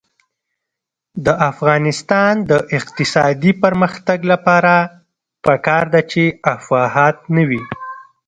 د افغانستان د اقتصادي پرمختګ لپاره پکار ده چې افواهات نه وي.